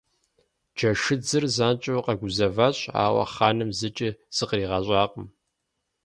Джэшыдзыр занщӀэу къэгузэващ, ауэ хъаным зыкӀи зыкъригъэщӀакъым.